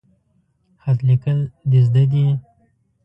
خط لیکل د زده ده؟